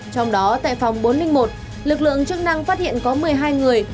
trong đó tại phòng bốn trăm linh một lực lượng chức năng phát hiện có một mươi hai người